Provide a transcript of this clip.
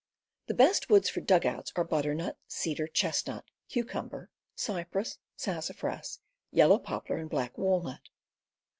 The best woods for dugouts are butternut, cedar, chestnut, cucumber, cypress, sassafras, yellow poplar, and black walnut.